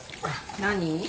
何？